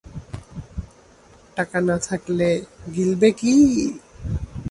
টাকা না থাকলে গিলবে কী।